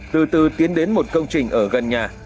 từ từ tiến đến một công trình ở gần nhà